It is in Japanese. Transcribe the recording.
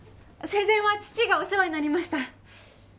生前は父がお世話になりました